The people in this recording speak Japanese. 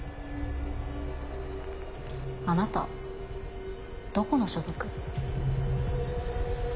あなたどこの所属？